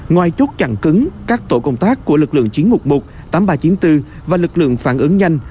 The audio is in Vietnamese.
ngoài chốt chặn cứng các tổ công tác của lực lượng chín mươi một một tám mươi ba chín mươi bốn và lực lượng phản ứng nhanh